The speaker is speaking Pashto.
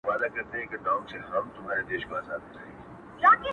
اې ستا قامت دي هچيش داسي د قيامت مخته وي.